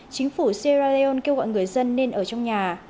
chính phủ sierra leone kêu gọi người dân nên ở trong nhà